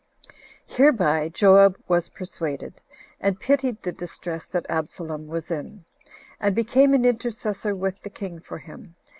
Hereby Joab was persuaded, and pitied the distress that Absalom was in, and became an intercessor with the king for him.